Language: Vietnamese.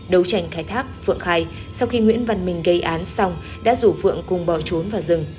đấu tranh khai thác phượng khai sau khi nguyễn văn minh gây án xong đã rủ phượng cùng bỏ trốn vào rừng